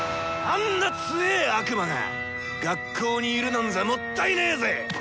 あんな強え悪魔が学校にいるなんざもったいねぇぜ！